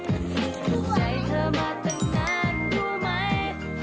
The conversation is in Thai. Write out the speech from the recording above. ดูใจเธอมาตั้งนานรู้ไหม